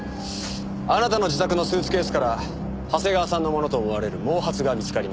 あなたの自宅のスーツケースから長谷川さんのものと思われる毛髪が見つかりました。